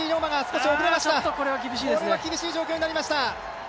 これは厳しい状況になりました。